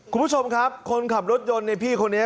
คุณผู้ชมครับคนขับรถยนต์ในพี่คนนี้